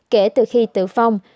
kể từ khi tử phong